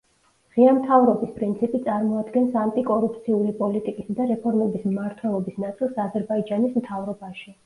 ღია მთავრობის პრინციპი წარმოადგენს ანტიკორუფციული პოლიტიკისა და რეფორმების მმართველობის ნაწილს აზერბაიჯანის მთავრობაში.